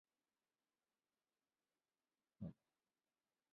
巴士应该在哪里搭？